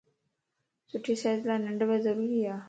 سٺي صحت لا ننڊ بي ضروري ا